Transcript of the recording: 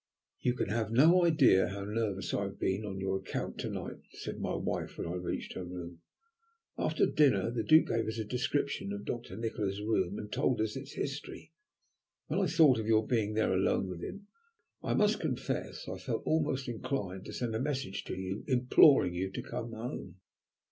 "You can have no idea how nervous I have been on your account to night," said my wife, when I reached her room. "After dinner the Duke gave us a description of Doctor Nikola's room, and told us its history. When I thought of your being there alone with him, I must confess I felt almost inclined to send a message to you imploring you to come home."